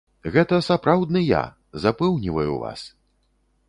Гэта сапраўдны я, запэўніваю вас!